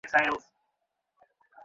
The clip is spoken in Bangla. তুই খেতে আসবি না?